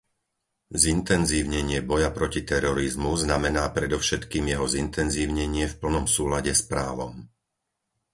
Zintenzívnenie boja proti terorizmu znamená predovšetkým jeho zintenzívnenie v plnom súlade s právom.